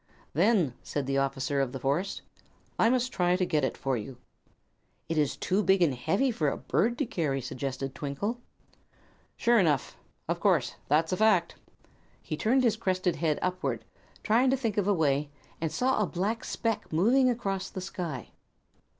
"Then," said the officer of the forest, "I must try to get it for you." "It is too big and heavy for a bird to carry," suggested Twinkle. "Sure enough. Of course. That's a fact." He turned his crested head upward, trying to think of a way, and saw a black speck moving across the sky.